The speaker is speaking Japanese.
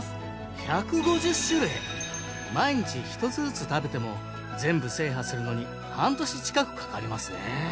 毎日１つずつ食べても全部制覇するのに半年近くかかりますね。